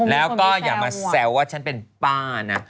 แล้วก็อย่ามาแซวว่าฉันเป็นป้านะ